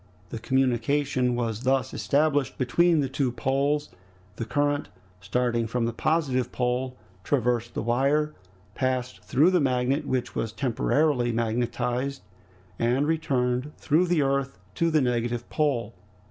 The communication was thus established between the two poles; the current, starting from the positive pole, traversed the wire, passed through the magnet which was temporarily magnetized, and returned through the earth to the negative pole.